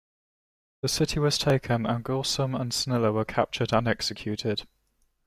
The city was taken and Gaucelm and Sanila were captured and executed.